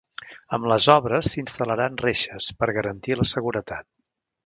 Amb les obres s'instal·laran reixes per garantir la seguretat.